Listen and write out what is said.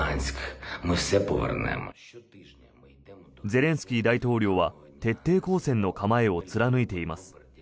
ゼレンスキー大統領は徹底抗戦の構えを貫いています。